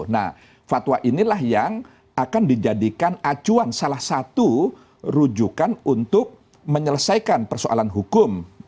nah fatwa inilah yang akan dijadikan acuan salah satu rujukan untuk menyelesaikan persoalan hukum